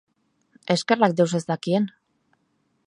Eskerrak deus ez dakien!